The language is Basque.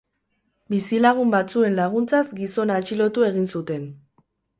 Bizilagun batzuen laguntzaz gizona atxilotu egin zuten.